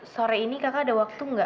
sore ini kakak ada waktu nggak